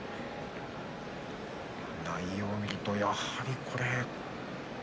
内容を見ると、やはりこれ。